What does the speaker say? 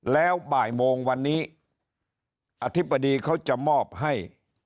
แล้วบ่ายโมงวันนี้อธิบดีเขาจะมอบให้